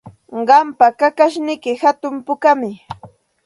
Qampa kakashniyki hatun pukami.